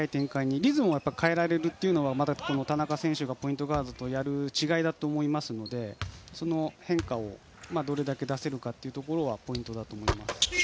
リズムを変えられるというのは田中選手がポイントガードをやる違いだと思いますのでその変化をどれだけ出せるかがポイントだと思いますね。